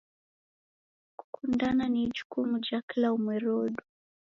Kukundana ni ijukumu ja kila umweri wodu.